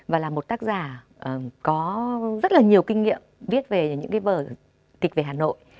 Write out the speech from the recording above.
và là một tác giả có rất là nhiều kinh nghiệm viết về những cái vở kịch về hà nội